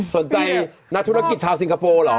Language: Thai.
สนใจนักธุรกิจชาวซิงคโปร์หรอ